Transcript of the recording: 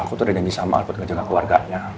aku tuh udah janji sama aku buat ngejaga keluarganya